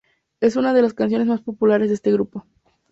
Es una de las canciones más populares de este grupo.